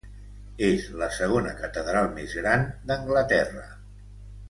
És la segona catedral més gran d'Anglaterra.